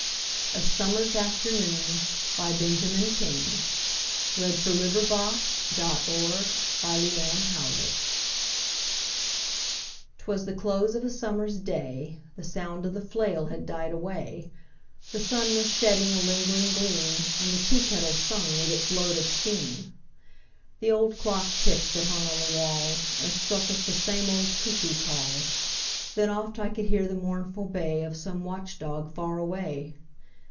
Fed the Fishes→ 124600Ben King's Verse — A Summer's AfternoonBenjamin Franklin King 'Twas the close of a summer's day, The sound of the flail had died away, The sun was shedding a lingering gleam, And the teakettle sung with its load of steam. The old clock ticked that hung on the wall And struck 'th the same old cuckoo call; Then oft I could hear the mournful bay Of some watch dog far away.